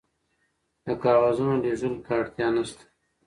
د کاغذونو لیږلو ته اړتیا نشته.